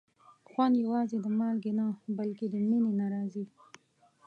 خوند یوازې د مالګې نه، بلکې د مینې نه راځي.